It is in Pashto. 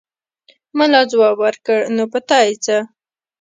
ملا ځواب ورکړ: نو په تا يې څه!